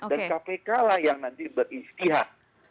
dan kpk lah yang nanti beristihad